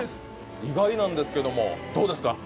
意外なんですけど、どうでした？